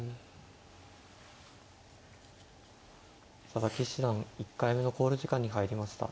佐々木七段１回目の考慮時間に入りました。